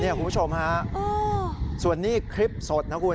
นี่คุณผู้ชมครับส่วนนี้คลิปสดนะครับคุณ